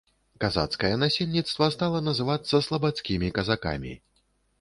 Казацкае насельніцтва стала называцца слабадскімі казакамі.